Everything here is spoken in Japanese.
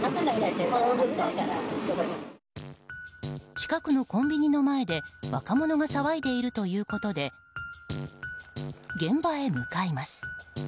近くのコンビニの前で若者が騒いでいるということで現場へ向かいます。